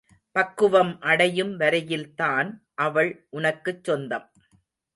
பக்குவம் அடையும் வரையில்தான் அவள் உனக்குச் சொந்தம்.